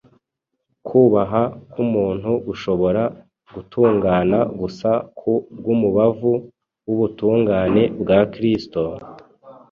Kubaha k’umuntu gushobora gutungana gusa ku bw’umubavu w’ubutungane bwa Kristo,